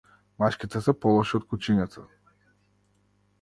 Мачките се полоши од кучињата.